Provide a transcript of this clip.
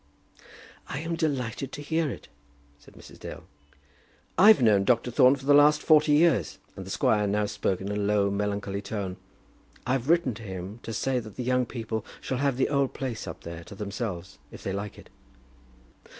"I am delighted to hear it," said Mrs. Dale. "I've known Dr. Thorne for the last forty years;" and the squire now spoke in a low melancholy tone. "I've written to him to say that the young people shall have the old place up there to themselves if they like it."